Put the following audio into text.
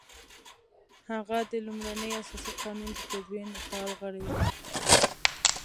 هغه د لومړني اساسي قانون د تدوین فعال غړی وو.